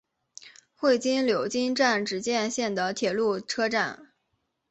会津柳津站只见线的铁路车站。